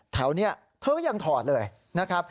แถวนี้เธอก็ยังถอดเลยนะครับ